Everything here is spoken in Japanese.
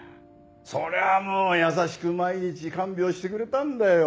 そりゃあもう優しく毎日看病してくれたんだよ